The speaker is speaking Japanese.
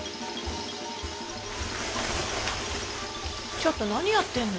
ちょっと何やってんの！